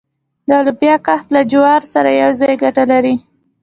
د لوبیا کښت له جوارو سره یوځای ګټه لري؟